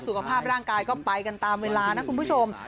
สุขภาพร่างกายก็ไปกันตามเวลานะคุณผู้ชม